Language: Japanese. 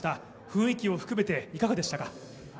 雰囲気を含めていかがでしたか？